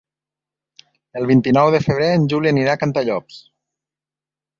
El vint-i-nou de febrer en Juli anirà a Cantallops.